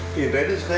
oke ready setelah